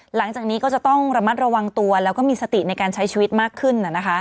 หลังจากนี้ก็จะต้องระมัดระวังตัวแล้วก็มีสติในการใช้ชีวิตมากขึ้น